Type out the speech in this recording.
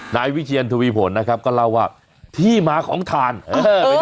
นายวิเชียรทวีผลนะครับก็เล่าว่าที่มาของฐานเออเออเออ